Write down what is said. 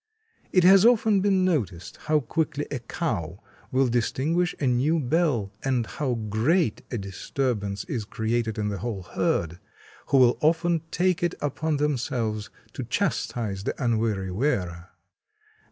It has often been noticed how quickly a cow will distinguish a new bell, and how great a disturbance is created in the whole herd, who will often take it upon themselves to chastise the unwary wearer.